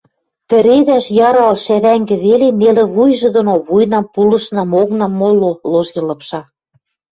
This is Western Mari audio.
Тӹредӓш ярал шӓдӓнгӹ веле нелӹ вуйжы доно вуйнам, пулышнам, онгнам моло ложге лыпша